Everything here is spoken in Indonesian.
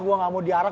gue gak mau diarak